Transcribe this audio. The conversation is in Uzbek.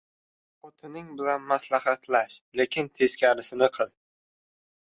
• Xotining bilan maslahatlash, lekin teskarisini qil.